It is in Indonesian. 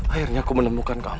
akhirnya aku menemukan kamu